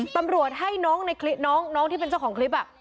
ตำรวจให้น้องที่เป็นเจ้าของคลิป